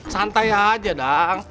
santai aja dang